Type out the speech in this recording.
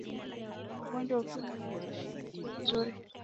ugonjwa wa ukimwi unaweza kudhibitiwa vizuri